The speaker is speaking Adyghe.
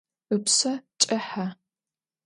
Ыпшъэ кӏыхьэ.